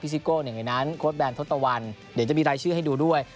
ซิโก้หนึ่งในนั้นโค้ดแบนทศตวรรณเดี๋ยวจะมีรายชื่อให้ดูด้วย